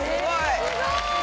すごい！